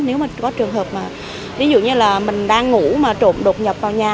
nếu mà có trường hợp mà ví dụ như là mình đang ngủ mà trộm đột nhập vào nhà